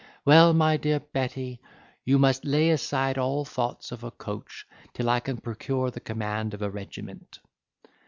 Well, my dear Betty, you must lay aside all thoughts of a coach, till I can procure the command of a regiment."